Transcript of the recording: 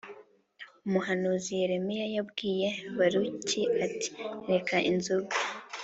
umuhanuzi Yeremiya yabwiye Baruki ati reka inzoga